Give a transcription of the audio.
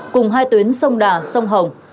cùng hai tuyến sông đà sông hồng